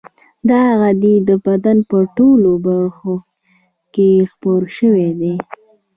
دا غدې د بدن په ټولو برخو کې خپرې شوې دي.